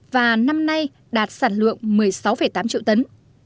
và năm nay đạt sản lượng một mươi sáu tám triệu tấn